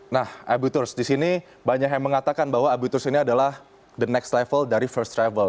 nah abuturs di sini banyak yang mengatakan bahwa abuturs ini adalah the next level dari first travel